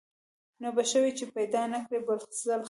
نو به ښه وي چي پیدا نه کړې بل ځل خر